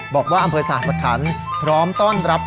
บอกว่าอำเภอสหสขันธุ์พร้อมต้อนรับ